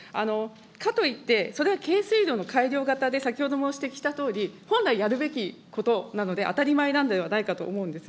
かといって、それは軽水炉の改良型で、先ほども指摘したとおり、本来やるべきことなので当たり前なんではないかと思います。